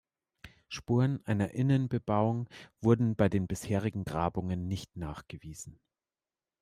Spuren einer Innenbebauung wurden bei den bisherigen Grabungen nicht nachgewiesen.